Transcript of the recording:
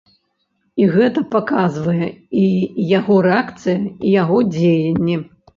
І гэта паказвае і яго рэакцыя, і яго дзеянні.